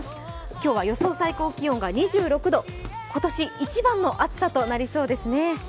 今日は予想最高気温が２６度、今年一番の暑さとなりそうですね。